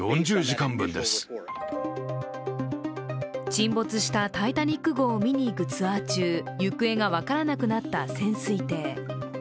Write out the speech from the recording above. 沈没した「タイタニック」号を見に行くツアー中、行方が分からなくなった潜水艇。